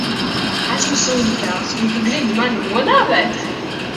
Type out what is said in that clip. Esmu sūdabrālis, un tu gribi mani nonāvēt?